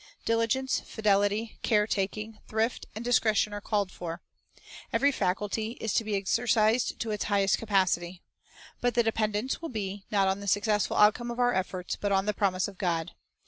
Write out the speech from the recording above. Diligence, fidelity, care taking, thrift, and discretion are called for. Every faculty is to be exer cised to its highest capacity. But the dependence will be, not on the successful outcome of our efforts, but on the promise of God.